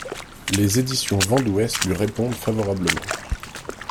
Les Editions Vents d’Ouest lui répondent favorablement.